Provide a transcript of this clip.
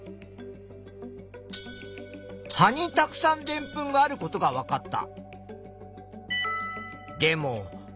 葉にたくさんでんぷんがあることがわかった。